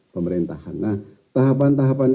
pemerintahan nah tahapan tahapan